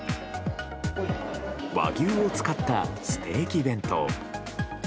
和牛を使ったステーキ弁当。